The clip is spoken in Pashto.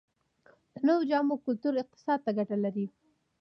د نویو جامو کلتور اقتصاد ته ګټه لري؟